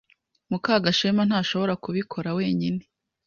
Mukagashema ntashobora kubikora wenyine.